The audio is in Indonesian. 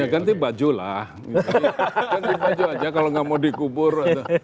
ganti baju aja kalau nggak mau dikubur